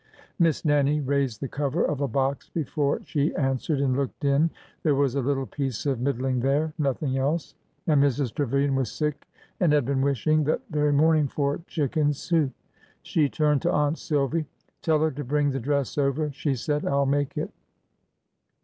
Miss Nannie raised the cover of a box before she an swered, and looked in. There was a little piece of mid dling there— nothing else. And Mrs. Trevilian was sick and had been wishing that very morning for chicken soup ! She turned to Aunt Silvy. '' Tell her to bring the dress over," she said. '' I 'll make it."